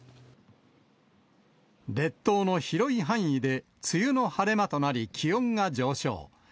列島の広い範囲で梅雨の晴れ間となり、気温が上昇。